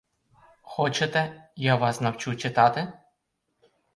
Хочете, я вас навчу читати?